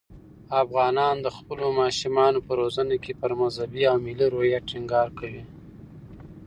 افغانان د خپلو ماشومانو په روزنه کې پر مذهبي او ملي روحیه ټینګار کوي.